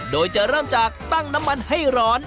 โดยจะเริ่มจากตั้งน้ำมันให้ร้อน